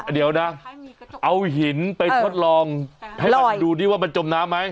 เดี๋ยวนะเอาหินไปทดลองให้มันดูดิว่ามันจมน้ำไหม